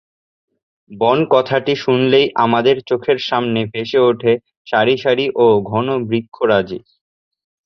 বন কথাটি শুনলেই আমাদের চোখের সামনে ভেসে ওঠে সারি সারি ও ঘন বৃক্ষরাজি।